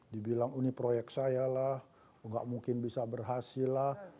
dibilang ini proyek saya lah nggak mungkin bisa berhasil lah